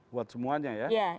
buat semuanya ya